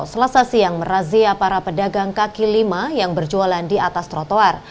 selasa siang merazia para pedagang kaki lima yang berjualan di atas trotoar